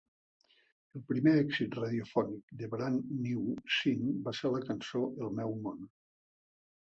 El primer èxit radiofònic de Brand New Sin va ser la cançó "El meu món".